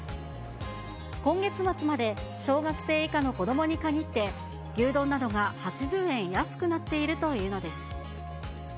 今月末まで小学生以下の子どもに限って、牛丼などが８０円安くなっているというのです。